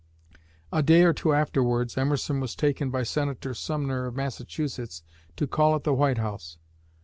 A day or two afterwards Emerson was taken by Senator Sumner of Massachusetts to call at the White House.